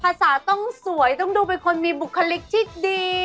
ภาษาต้องสวยต้องดูเป็นคนมีบุคลิกที่ดี